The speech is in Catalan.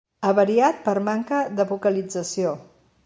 Avariat per manca de vocalització.